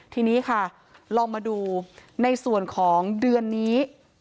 ทีนี้ค่ะลองมาดูในส่วนของเดือนนี้